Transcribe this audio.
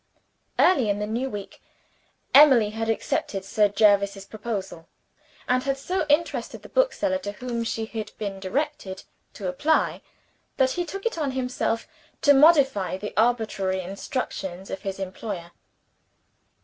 Early in the new week, Emily had accepted Sir Jervis's proposal, and had so interested the bookseller to whom she had been directed to apply, that he took it on himself to modify the arbitrary instructions of his employer.